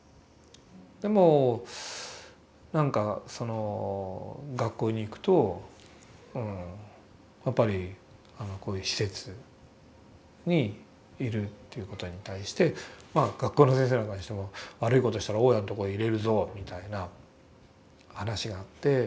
でもなんかその学校に行くとやっぱりこういう施設にいるということに対してまあ学校の先生なんかにしても悪いことしたら雄谷のとこへ入れるぞみたいな話があって。